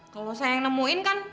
kalau saya yang nemuin kan